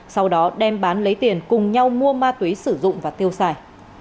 sau đó đem bán lấy tiền cùng nhau mua ma túy sử dụng và tiêu xài